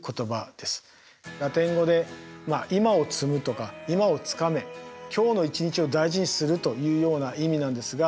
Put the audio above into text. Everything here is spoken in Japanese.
ラテン語で「今を積む」とか「今をつかめ」「今日の一日を大事にする」というような意味なんですが。